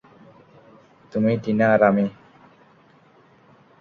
তুমি, টিনা আর আমি।